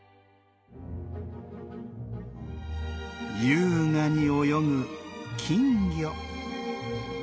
優雅に泳ぐ金魚。